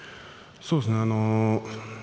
そうですね